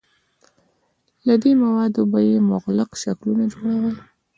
له دې موادو به یې مغلق شکلونه جوړول.